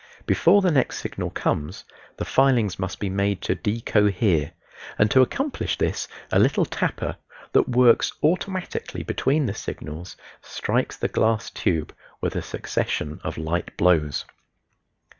Before the next signal comes the filings must be made to de cohere; and to accomplish this a little "tapper," that works automatically between the signals, strikes the glass tube with a succession of light blows.